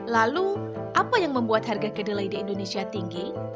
lalu apa yang membuat harga kedelai di indonesia tinggi